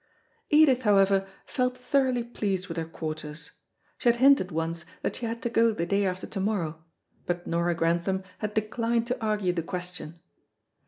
Edith, however, felt thoroughly pleased with her quarters. She had hinted once that she had to go the day after to morrow, but Nora Grantham had declined to argue the question.